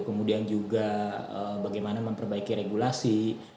kemudian juga bagaimana memperbaiki regulasi